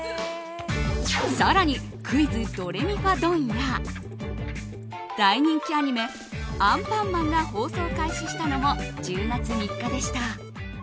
更に「クイズ・ドレミファドン！」や大人気アニメ「アンパンマン」が放送開始したのも１０月３日でした。